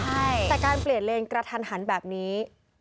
ใช่แต่การเปลี่ยนเลนกระทันหันแบบนี้